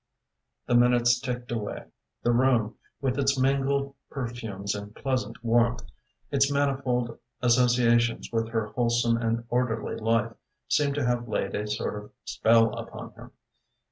The minutes ticked away. The room, with its mingled perfumes and pleasant warmth, its manifold associations with her wholesome and orderly life, seemed to have laid a sort of spell upon him.